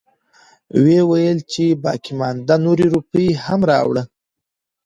وويلې چې باقيمانده نورې روپۍ هم راوړه.